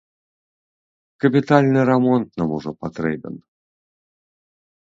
Капітальны рамонт нам ужо патрэбен.